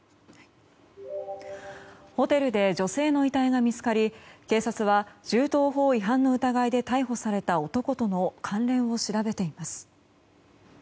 ホテルで女性の遺体が見つかり警察は銃刀法違反の疑いで逮捕された男との関連を調べています。